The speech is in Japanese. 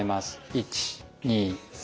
１２３。